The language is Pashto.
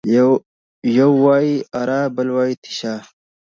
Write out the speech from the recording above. يو وايي اره ، بل وايي تېشه.